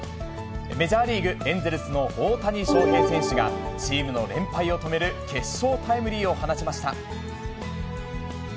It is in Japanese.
メジャーリーグ・エンゼルスの大谷翔平選手が、チームの連敗を止める決勝タイムリーを放ちました。